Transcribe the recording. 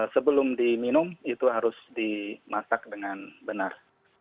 sebelum diminum itu harus dimasak dengan benar